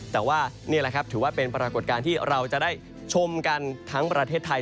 แต่ว่านี่แหละครับถือว่าเป็นปรากฏการณ์ที่เราจะได้ชมกันทั้งประเทศไทย